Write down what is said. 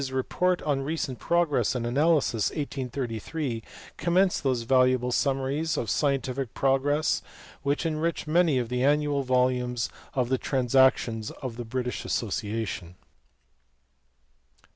report on recent progress in analysis, 1833, commenced those valuable summaries of scientific progress which enrich many of the annual volumes of the Transactions of the British Association.